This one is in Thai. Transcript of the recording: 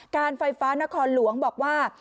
การไฟฟ้านครหลวงบอกว่า